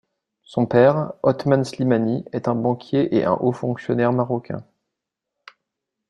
Son père, Othman Slimani, est un banquier et un haut fonctionnaire marocain.